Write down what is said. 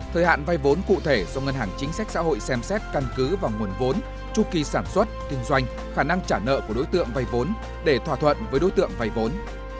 thời hạn vay vốn cụ thể do ngân hàng chính sách xã hội xem xét căn cứ vào nguồn vốn tru kỳ sản xuất kinh doanh khả năng trả nợ của đối tượng vay vốn để thỏa thuận với đối tượng vay vốn